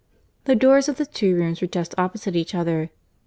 The doors of the two rooms were just opposite each other.